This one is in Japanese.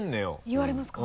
言われますか？